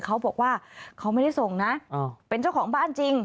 เขาบอกว่าเขาไม่ได้ส่งนะเป็นเจ้าของบ้านจริง